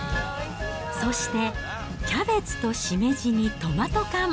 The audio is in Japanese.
そして、キャベツとシメジにトマト缶。